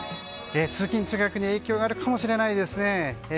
通勤・通学に影響があるかもしれないですね。